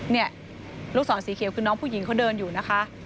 นี่ลูกศรสีเขียวคือน้องผู้หญิงเขาเดินอยู่นะคะ